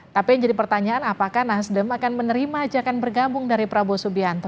tapi yang jadi pertanyaan apakah nasdem akan menerima ajakan bergabung dari prabowo subianto